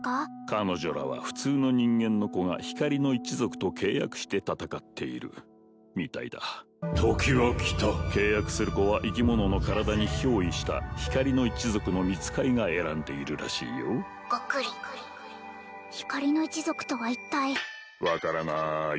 彼女らは普通の人間の子が光の一族と契約して戦っているみたいだ時は来た契約する子は生き物の体に憑依したちわっす光の一族の御使いが選んでいるらしいよ光の一族とは一体分からない